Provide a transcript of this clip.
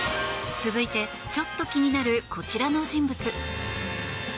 続いて、ちょっと気になるこちらの人物。